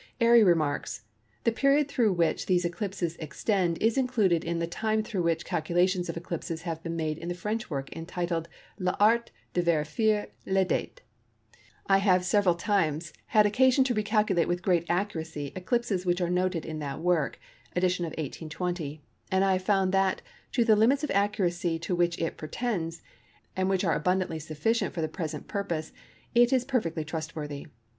Airy remarks:—"The period through which these eclipses extend is included in the time through which calculations of eclipses have been made in the French work entitled L'Art de vérifier les Dates. I have several times had occasion to recalculate with great accuracy eclipses which are noted in that work (edition of 1820), and I have found that, to the limits of accuracy to which it pretends, and which are abundantly sufficient for the present purpose, it is perfectly trustworthy.